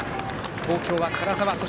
東京は唐沢。